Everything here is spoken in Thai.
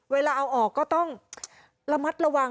เวลาเอาออกก็ต้องระมัดระวัง